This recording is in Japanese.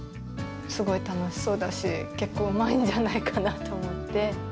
すごい楽しそうだし、結構うまいんじゃないかなと思って。